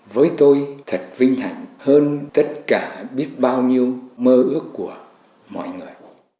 với tôi thật vinh hạnh hơn tất cả biết bao nhiêu mơ ước của mọi người